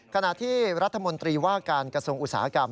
ขณะที่รัฐมนตรีว่าการกระทรวงอุตสาหกรรม